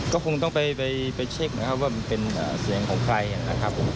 ก็คงต้องไปเช็คนะครับว่ามันเป็นเสียงของใครนะครับผม